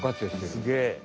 すげえ。